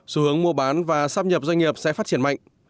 xu hướng mua bán và sắp nhập doanh nghiệp sẽ phát triển mạnh